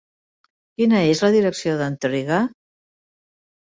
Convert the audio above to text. Quina és la direcció d'entrega?